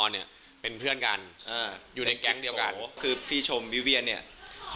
แล้วก็รู้สึกว่าตกกลมรัก